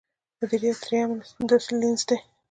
مديريت درېيم داسې لينز دی.